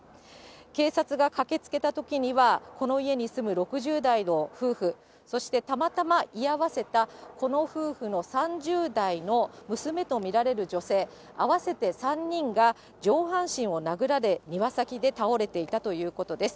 警察が駆けつけたときには、この家に住む６０代の夫婦、そしてたまたま居合わせた、この夫婦の３０代の娘と見られる女性、合わせて３人が、上半身を殴られ、庭先で倒れていたということです。